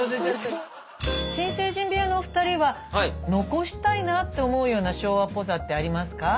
新成人部屋のお二人は残したいなって思うような昭和っぽさってありますか？